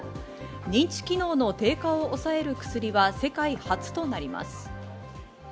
認知機能の低下を抑える薬は世界初となります。